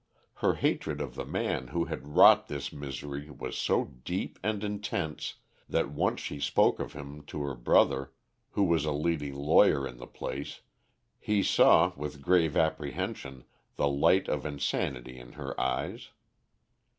Her hatred of the man who had wrought this misery was so deep and intense that once when she spoke of him to her brother, who was a leading lawyer in the place, he saw, with grave apprehension, the light of insanity in her eyes.